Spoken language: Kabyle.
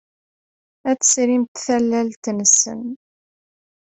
Ad tesrimt tallalt-nsen.